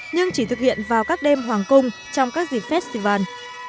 nhưng chỉ thực hiện vào các đêm hoàng cung trong các dịp festival